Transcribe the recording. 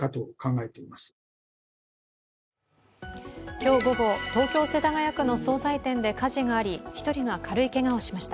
今日午後、東京・世田谷区の総菜店が火事があり１人が軽いけがをしました。